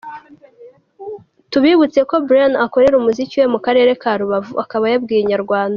Tubibutseko Brianna akorera umuziki we mu karere ka Rubavu, akaba yabwiye Inyarwanda.